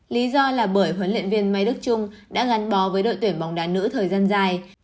lý do là bởi huấn luyện viên mai đức trung đã gắn bó với đội tuyển bóng đá nữ thời gian dài